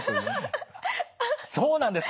そうなんですか。